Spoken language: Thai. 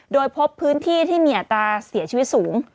โดยพบพื้นที่ที่มีอัตราเสียชีวิตสูง